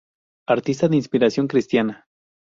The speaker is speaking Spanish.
Artista de inspiración cristiana.